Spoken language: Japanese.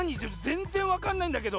ぜんぜんわかんないんだけど！